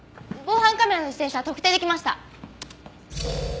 防犯カメラの自転車特定出来ました！